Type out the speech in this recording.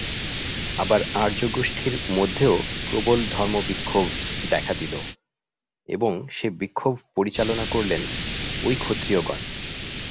আবার আর্যগোষ্ঠীর মধ্যেও প্রবল ধর্মবিক্ষোভ দেখা দিল এবং সে বিক্ষোভ পরিচালনা করলেন ঐ ক্ষত্রিয়গণ।